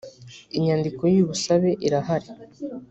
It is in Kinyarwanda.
inyandiko y ‘ubusabe irahari.